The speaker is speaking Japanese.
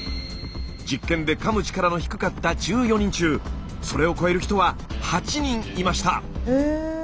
実験でかむ力の低かった１４人中それを超える人は８人いました。